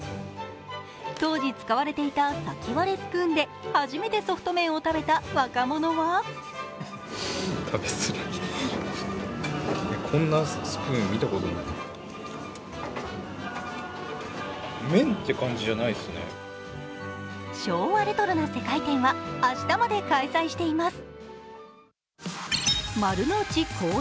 当時使われていた先割れスプーンで初めてソフト麺を食べた若者は昭和レトロな世界展は明日まで開催しています。